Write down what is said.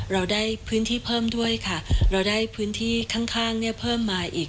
เราได้พื้นที่เพิ่มด้วยค่ะเราได้พื้นที่ข้างเนี่ยเพิ่มมาอีก